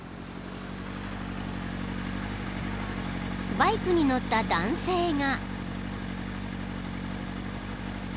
［バイクに乗った男性が］